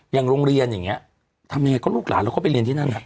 อย่างโรงเรียนอย่างนี้ทำยังไงก็ลูกหลานเราก็ไปเรียนที่นั่น